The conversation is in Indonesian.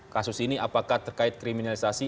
kasus ini apakah terkait kriminalisasi